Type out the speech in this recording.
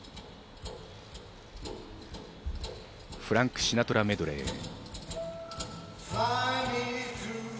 「フランク・シナトラメドレー」。